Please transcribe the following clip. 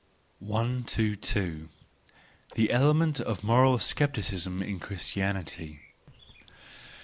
122 . The Element of Moral Scepticism in Christianity